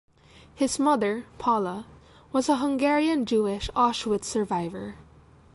His mother, Paula, was a Hungarian Jewish Auschwitz survivor.